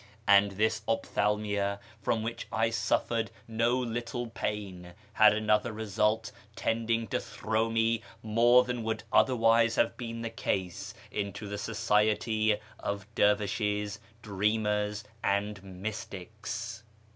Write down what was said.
And this ophthalmia, from which I suffered no little pain, had another result tending to throw me more than would otherwise have been the case into the society of dervishes, dreamers, and mystics.